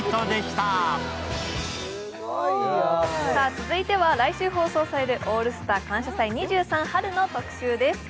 続いては来週放送される「オールスター感謝祭’２３春」の特集です。